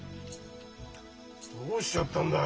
どうしちゃったんだ？